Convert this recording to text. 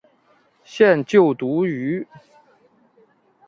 现就读于。